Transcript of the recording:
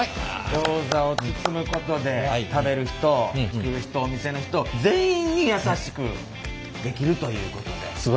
ギョーザを包むことで食べる人作る人お店の人全員に優しくできるということで。